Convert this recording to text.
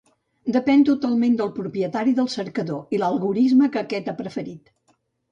Depèn totalment del propietari del cercador i l'algorisme que aquest ha preferit.